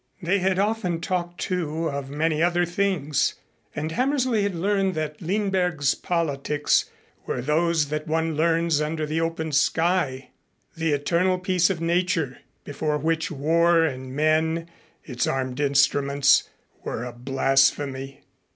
They had often talked, too, of many other things, and Hammersley had learned that Lindberg's politics were those that one learns under the open sky the eternal peace of Nature, before which war and men, its armed instruments, were a blasphemy.